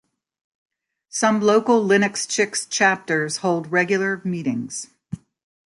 Some local LinuxChix chapters hold regular meetings.